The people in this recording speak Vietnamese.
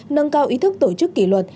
nâng cao ý thức tổ chức kỷ luật